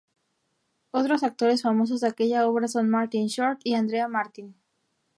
Otros actores famosos de aquella obra son Martin Short y Andrea Martin.